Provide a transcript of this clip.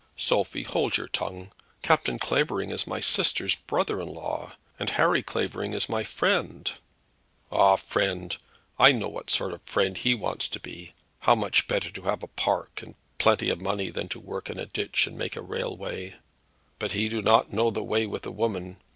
"Sophie, hold your tongue. Captain Clavering is my sister's brother in law, and Harry Clavering is my friend." "Ah, friend! I know what sort of friend he wants to be. How much better to have a park and plenty of money than to work in a ditch and make a railway! But he do not know the way with a woman.